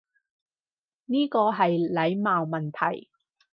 呢個係禮貌問題